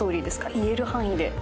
言える範囲で。